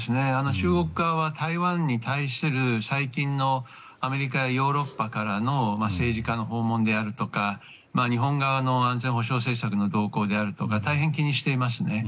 中国側は台湾に対する最近のアメリカやヨーロッパからの政治家の訪問であるとか日本側の安全保障政策の動向であるとかを大変気にしていますね。